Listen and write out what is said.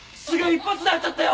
一発で合っちゃったよ！